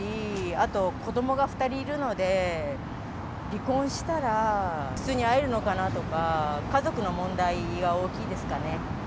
あと、子どもが２人いるので、離婚したら普通に会えるのかなとか、家族の問題が大きいですかね。